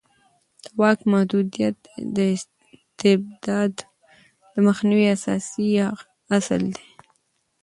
د واک محدودیت د استبداد د مخنیوي اساسي اصل دی